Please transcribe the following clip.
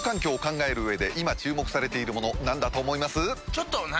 ちょっと何？